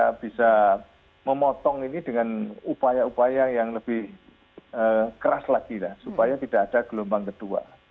kita bisa memotong ini dengan upaya upaya yang lebih keras lagi lah supaya tidak ada gelombang kedua